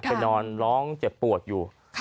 ไปนอนร้องเจ็บปวดอยู่